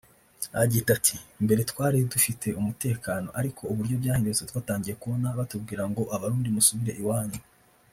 Agita ati "Mbere twari dufite umutekano ariko uburyo byahindutse twatangiye kubona batubwira ngo ’Abarundi musubire iwanyu’